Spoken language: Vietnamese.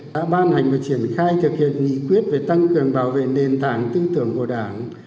đã ban hành và triển khai thực hiện nghị quyết về tăng cường bảo vệ nền tảng tư tưởng của đảng